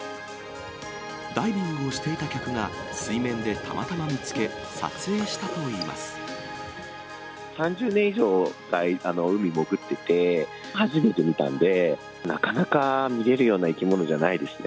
ダイビングをしていた客が水面でたまたま見つけ、撮影したといい３０年以上、海に潜っていて、初めて見たんで、なかなか見れるような生き物じゃないですね。